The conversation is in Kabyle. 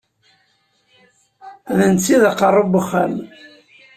D netta i d aqerru n uxxam.